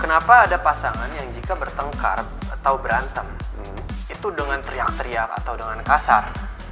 kenapa ada pasangan yang jika bertengkar atau berantem itu dengan teriak teriak atau dengan kasar